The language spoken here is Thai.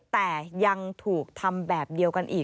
แต่ยังถูกทำแบบเดียวกันอีก